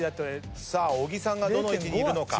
小木さんがどの位置にいるのか。